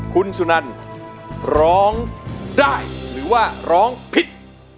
คุณสุนันร้องได้หรือว่าร้องผิด